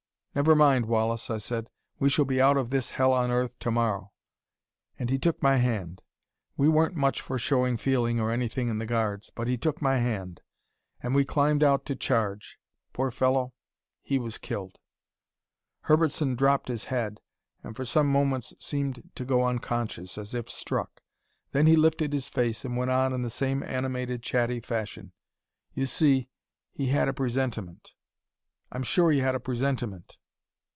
'Never mind, Wallace,' I said. 'We shall be out of this hell on earth tomorrow.' And he took my hand. We weren't much for showing feeling or anything in the guards. But he took my hand. And we climbed out to charge Poor fellow, he was killed " Herbertson dropped his head, and for some moments seemed to go unconscious, as if struck. Then he lifted his face, and went on in the same animated chatty fashion: "You see, he had a presentiment. I'm sure he had a presentiment.